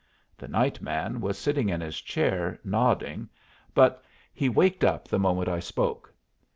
The "night man" was sitting in his chair, nodding, but he waked up the moment I spoke.